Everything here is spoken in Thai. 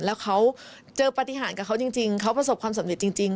แล้วเขาเจอปฏิหารกับเขาจริงเขาประสบความสำเร็จจริง